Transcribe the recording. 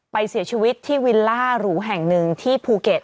เสียชีวิตที่วิลล่าหรูแห่งหนึ่งที่ภูเก็ต